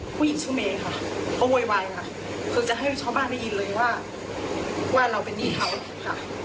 ผู้หญิงชื่อเมย์ค่ะเขาโวยวายค่ะคือจะให้ชาวบ้านได้ยินเลยว่าเราเป็นหนี้เขาค่ะ